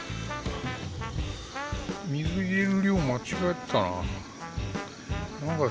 水入れる量間違ったな。